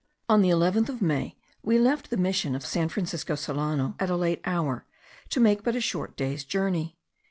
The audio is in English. On the 11th of May, we left the mission of San Francisco Solano at a late hour, to make but a short day's journey.